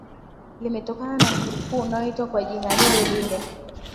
limetokana na mji mkuu unaoitwa kwa jina lilelile